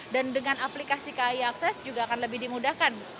dan dengan aplikasi kai akses juga akan lebih dimudahkan